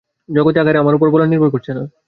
জগতে আকার আমার বলার উপর নির্ভর করছে না।